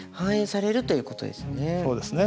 そうですね